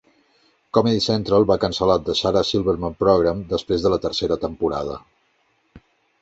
Comedy Central va cancel·lar "The Sarah Silverman Program" després de la tercera temporada.